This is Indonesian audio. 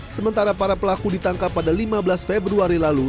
sementara para pelaku ditangkap pada lima belas februari lalu